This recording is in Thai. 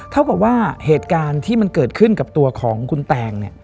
เท่ากับว่าเหตุการณ์ที่มันเกิดขึ้นกับตัวของคุณแตง